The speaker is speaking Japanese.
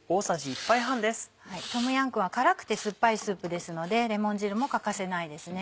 トムヤムクンは辛くて酸っぱいスープですのでレモン汁も欠かせないですね。